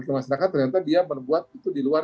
ke masyarakat ternyata dia membuat itu di luar